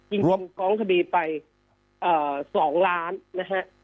รวบกองคดีไปเอ่อ๒ล้านนะฮะ